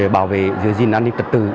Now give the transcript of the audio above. bảo vệ dân dân an ninh trật tự